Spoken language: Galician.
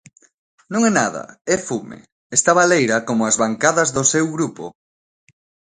Non é nada, é fume, está baleira como as bancadas do seu grupo.